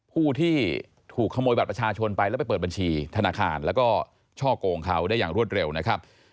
ผู้ที่ถูกขโมยบัตรประชาชนไปแล้วไปเปิดบัญชีธนาคารแล้วก็ช่อกงเขาได้อย่างรวดเร็วนะครับ